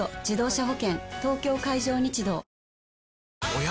東京海上日動おや？